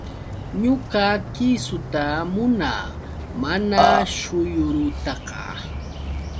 Ñuqa kiisuta munaa, mana shuyrutaqa.